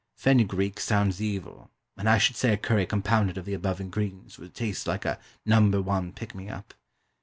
"Fenugreek" sounds evil; and I should say a curry compounded of the above ingredients would taste like a "Number One" pick me up.